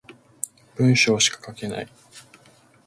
文章しか書けない